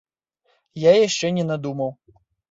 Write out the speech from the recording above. Я яшчэ не надумаў.